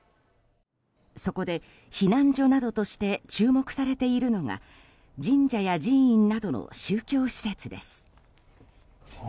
そこで避難所などとして注目されているのが神社や寺院などの宗教施設です。